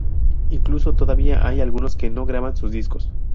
Incluso todavía hay algunos que no graban sus discos.